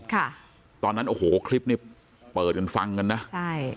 ค่ะตอนนั้นโอ้โหคลิปนี้เปิดกันฟังกันนะใช่